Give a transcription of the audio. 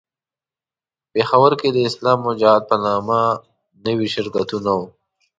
په پېښور کې د اسلام او جهاد په نامه نوي شرکتونه وو.